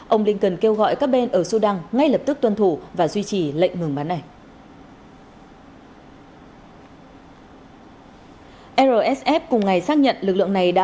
ông blinken kêu gọi các bên ở sudan ngay lập tức tuân thủ và duy trì lệnh ngừng bắn này